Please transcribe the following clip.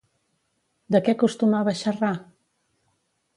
De què acostumava a xerrar?